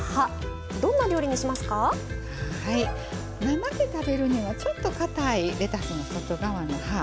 生で食べるにはちょっとかたいレタスの外側の葉。